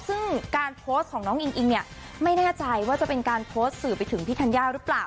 ซึ่งการโพสต์ของน้องอิงอิงเนี่ยไม่แน่ใจว่าจะเป็นการโพสต์สื่อไปถึงพี่ธัญญาหรือเปล่า